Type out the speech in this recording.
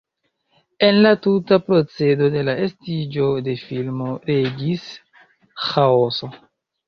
En la tuta procedo de la estiĝo de filmo regis ĥaoso.